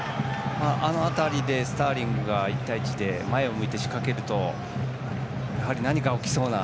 あの辺りでスターリングが１対１で前を向いて仕掛けるとやはり、何か起きそうな。